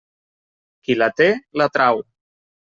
Qui la té, la trau.